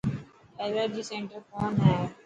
ايلرجي سينٽر ڪون هي.